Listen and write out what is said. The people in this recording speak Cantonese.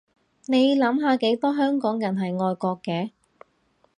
你諗下幾多香港人係愛國嘅